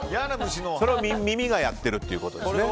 それを耳がやってるということですね。